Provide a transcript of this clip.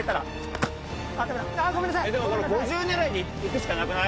ごめんなさい。